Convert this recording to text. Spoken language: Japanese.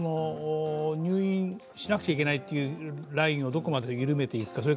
入院しなくちゃいけないラインをどこまで緩めていくか。